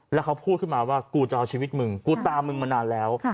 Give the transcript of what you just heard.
แล้วเขาพูดขึ้นมาว่ากูจะเอาชีวิตมึงกูตามมึงมานานแล้ว